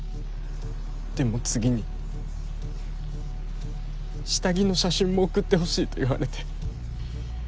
でも次に下着の写真も送ってほしいと言われて。